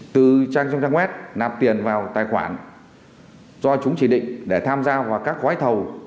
từ trang trong trang web nạp tiền vào tài khoản do chúng chỉ định để tham gia vào các gói thầu